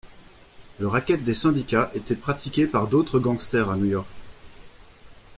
Le racket des syndicats était pratiqué par d'autres gangsters à New York.